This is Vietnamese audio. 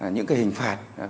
những cái hình phạt